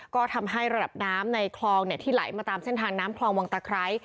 ก็ทำให้ระดับน้ำในคลองที่ไหลมาตามเส้นทางน้ำคลองวังตะไคร้